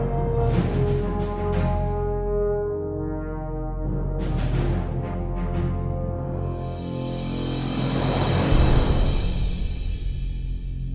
ด้านนี้ไม่ยอมบันบ่อที่ออก